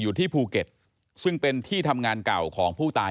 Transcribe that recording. อยู่ที่ภูเก็ตซึ่งเป็นที่ทำงานเก่าของผู้ตาย